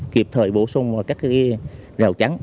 kịp thời bổ sung các cái rèo chắn